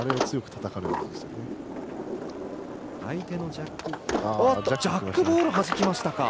ジャックボールをはじきました。